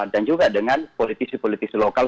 dan juga dengan politisi politisi lokal